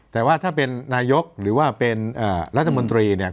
แต่ว่าถ้าเป็นนายกหรือว่าเป็นรัฐมนตรีเนี่ย